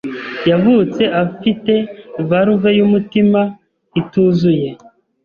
Yavutse afite valve yumutima ituzuye.